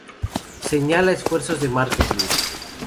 Señala esfuerzos de marketing.